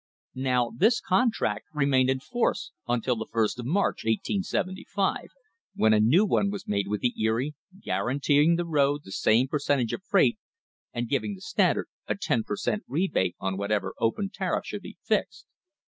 Now this contract remained in force until the first of March, 1875, when a new one was made with the Erie guaranteeing the road the same percentage of freight and giving the Standard a ten per cent. rebate on whatever open tariff should be fixed.